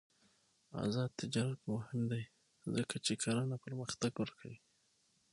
آزاد تجارت مهم دی ځکه چې کرنه پرمختګ ورکوي.